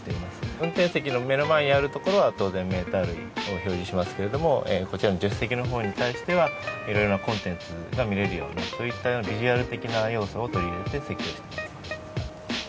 運転席の目の前にあるところは当然メーター類を表示しますけれどもこちらの助手席のほうに対してはいろいろなコンテンツが見られるようなそういったビジュアル的な要素を取り入れて設計しています。